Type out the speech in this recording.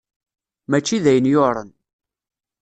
Mačči d ayen yuɛren.